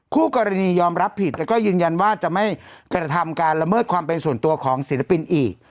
คู่กรณียอมรับผิดแล้วก็ยืนยันว่าจะไม่กระทำการละเมิดความเป็นส่วนตัวของศิลปินอีก